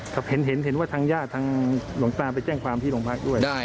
ครับเห็นว่าทางญาติทางหลวงตาไปแจ้งความที่โรงพักด้วย